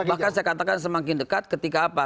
bahkan saya katakan semakin dekat ketika apa